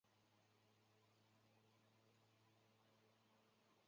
位于周公宅水库下游。